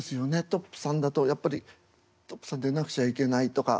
トップさんだとやっぱりトップさんでいなくちゃいけないとか。